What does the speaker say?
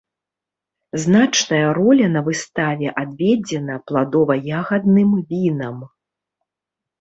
Значная роля на выставе адведзена пладова-ягадным вінам!